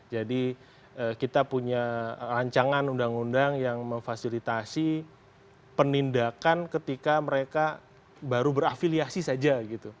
jadi kita punya rancangan undang undang yang memfasilitasi penindakan ketika mereka baru berafiliasi saja